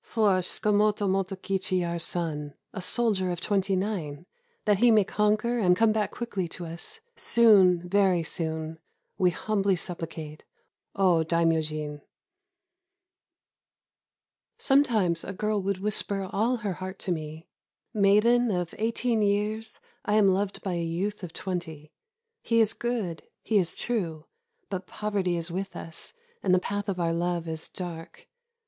... For Tsukamoto Motokichi our son, a soldier of twenty nine : that he may conquer and come back quickly to us, — soon, very soon, — we humbly supplicate, 0 Daimyojin 1" 365 JAPAN Sometimes a girl would whisper all her heart to me: "Maiden of eighteen years, I am loved by a youth of twenty. He is good; he is true; but poverty is with us, and the path of our love is dark.